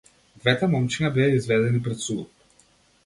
Двете момчиња беа изведени пред судот.